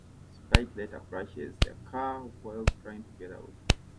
Spike later crashes the car while trying to get away.